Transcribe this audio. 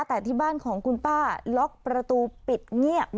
แต่ที่บ้านของคุณป้าล็อกประตูปิดเงียบ